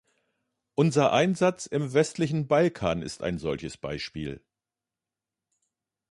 Unser Einsatz im westlichen Balkan ist ein solches Beispiel.